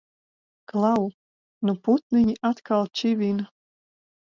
Klau! Nu putniņi atkal čivina!